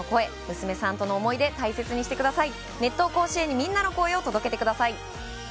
娘さんとの思い出大切にしてください。